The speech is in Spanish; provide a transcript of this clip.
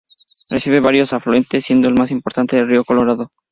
Recibe varios afluentes, siendo el más importante el río Colorado.